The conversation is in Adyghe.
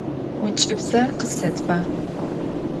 Ӏункӏыбзэр къысэтба.